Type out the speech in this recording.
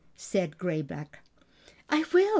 said Gray Back. "I will!